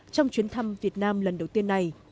trong chuyến thăm việt nam lần đầu tiên này